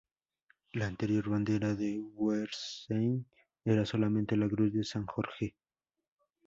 La anterior bandera de Guernsey era solamente la cruz de San Jorge.